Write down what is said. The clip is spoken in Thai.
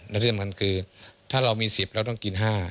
และที่สำคัญคือถ้าเรามี๑๐เราต้องกิน๕